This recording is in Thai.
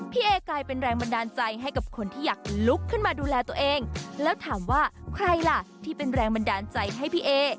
พี่เอกลายเป็นแรงบันดาลใจให้กับคนที่อยากลุกขึ้นมาดูแลตัวเองแล้วถามว่าใครล่ะที่เป็นแรงบันดาลใจให้พี่เอ